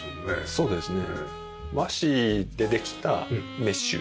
そうですね